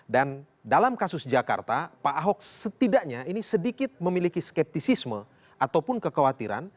dan dalam kasus jakarta pak ahok setidaknya ini sedikit memiliki skeptisisme ataupun kekhawatiran